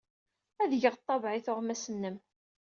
Ad d-geɣ ḍḍabeɛ i tuɣmas-nnem.